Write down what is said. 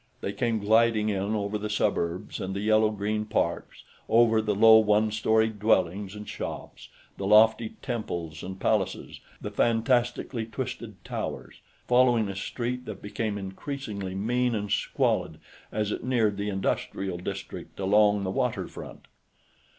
They came gliding in over the suburbs and the yellow green parks, over the low one story dwellings and shops, the lofty temples and palaces, the fantastically twisted towers, following a street that became increasingly mean and squalid as it neared the industrial district along the waterfront.